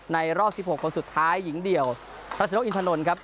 รอบ๑๖คนสุดท้ายหญิงเดี่ยวรัชนกอินทนนท์ครับ